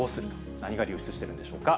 何が流出してるんでしょうか。